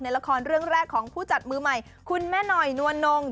ละครเรื่องแรกของผู้จัดมือใหม่คุณแม่หน่อยนวลนง